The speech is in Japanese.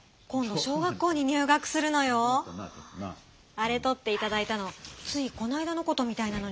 あれとっていただいたのついこないだのことみたいなのにね。